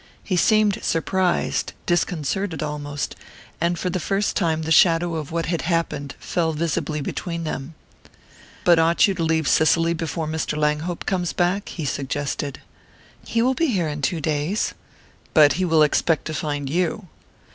He seemed surprised, disconcerted almost; and for the first time the shadow of what had happened fell visibly between them. "But ought you to leave Cicely before Mr. Langhope comes back?" he suggested. "He will be here in two days." "But he will expect to find you."